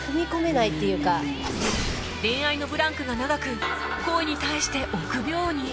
恋愛のブランクが長く恋に対して臆病に